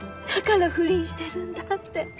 「だから不倫してるんだ」って。